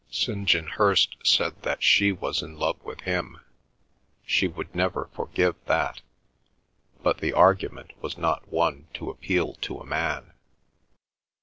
St. John Hirst said that she was in love with him; she would never forgive that; but the argument was not one to appeal to a man.